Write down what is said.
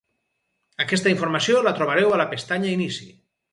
Aquesta informació la trobareu a la pestanya Inici.